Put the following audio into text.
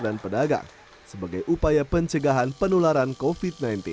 dan pedagang sebagai upaya pencegahan penularan covid sembilan belas